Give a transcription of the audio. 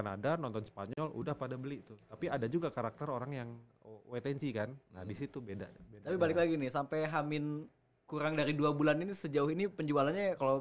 sampai jumpa di video selanjutnya